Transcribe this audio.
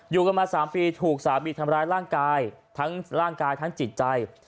อยู่กันมา๓ปีถูกสามีทำร้ายร่างกายทั้งร่างกายทั้งจิตใจ